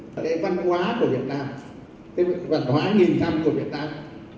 cái văn hóa của việt nam cái văn hóa nghiêm khám của việt nam